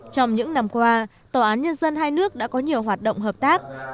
trong những năm qua tòa án nhân dân hai nước đã có nhiều hoạt động hợp tác